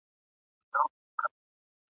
یوې لويی زړې وني ته دمه سول ..